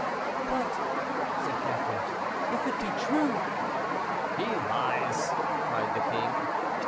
"But," said Catherine, "if it be true?" "He lies!" cried the king.